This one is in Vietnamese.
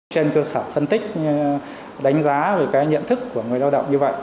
trên cơ sở phân tích đánh giá về cái nhận thức của người lao động như vậy